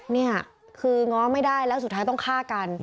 นี่คือง้อไม่ได้แล้วสุดท้ายต้องฆ่ากัน